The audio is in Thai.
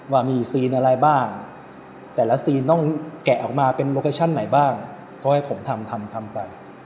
ว่ามีซีนอะไรบ้างแต่ละซีนต้องแกะออกมาเป็นโลเคชั่นไหนบ้างก็ให้ผมทำทำไป